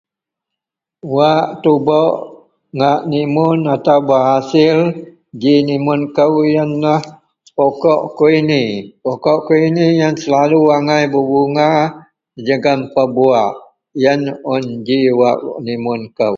Wak tubok ngak nimun atau behasil ji nimun kou yenlah pokok kuwini. Pokok kuwini yen selalu angai pebunga jegem pebuwak. Yen un ji wak nimun kou